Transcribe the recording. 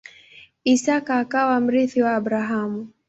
Isaka akawa mrithi wa Abrahamu.